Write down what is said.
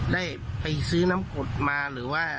แต่ว่าคนชายคือมาตามซื้อทุกวัน